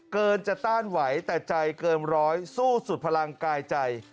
เกินจะต้านไหวแต่ใจเกินร้อยสู้สุดพลังกายใจ